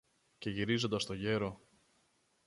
Και γυρίζοντας στο γέρο